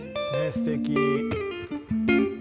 すてき。